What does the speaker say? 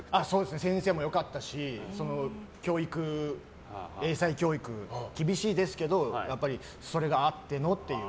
先生も良かったし英才教育、厳しいですけどそれがあってのっていう。